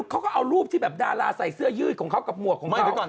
เขาก็เอารูปที่แบบดาราใส่เสื้อยืดของเขากับหมวกของเขา